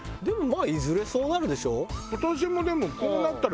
でもまあいずれそうなるでしょ？